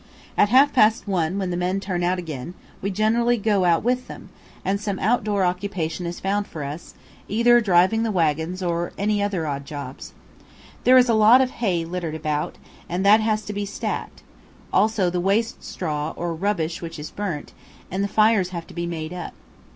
At half past 1 when the men turn out again, we generally go out with them, and some out door occupation is found for us; either driving the waggons or any other odd jobs. There is a lot of hay littered about, and that has to be stacked; also the waste straw or rubbish which is burnt, and the fires have to be made up.